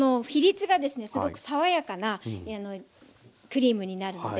すごく爽やかなクリームになるので。